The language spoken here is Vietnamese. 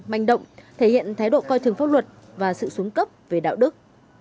manh động thể hiện thái độ coi thường pháp luật và sự xuống cấp về đạo đức